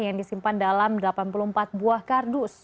yang disimpan dalam delapan puluh empat buah kardus